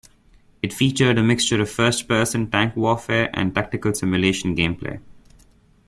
It featured a mixture of first-person tank warfare and tactical simulation gameplay.